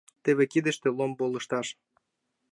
— Теве кидыште ломбо лышташ.